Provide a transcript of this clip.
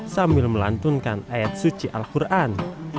sambil melantunkan ayat suci al quran